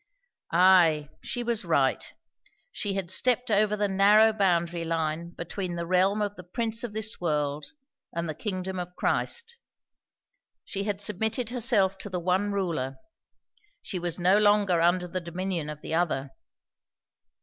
Ay, she was right; she had stepped over the narrow boundary line between the realm of the Prince of this world and the kingdom of Christ. She had submitted herself to the one Ruler; she was no longer under the dominion of the other.